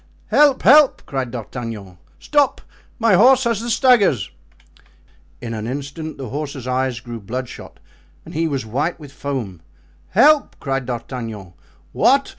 "Help! help!" cried D'Artagnan; "stop—my horse has the staggers." In an instant the horse's eyes grew bloodshot and he was white with foam. "Help!" cried D'Artagnan. "What!